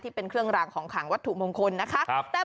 เป็นเครื่องรางของขังวัตถุมงคลนะคะ